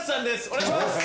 お願いします。